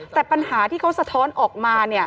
แต่ปัญหาที่เขาสะท้อนออกมา